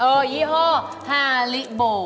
โอ้ยี่โห้ฮาริโบ